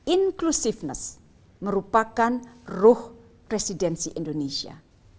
inclusiveness merupakan ruh presidensi indonesia